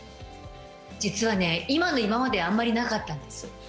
実は、今の今まであんまりなかったんです。